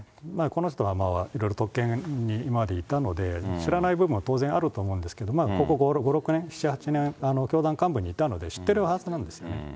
この人はいろいろと特権に今までいたので、知らない部分は当然あると思うんですけど、ここ５、６年、７、８年、教団幹部にいたので、知ってるはずなんですよね。